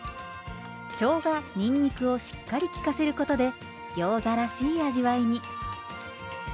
しょうがにんにくをしっかり効かせることでギョーザらしい味わいに。